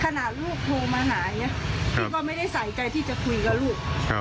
ลูกโทรมาหาพี่ก็ไม่ได้ใส่ใจที่จะคุยกับลูก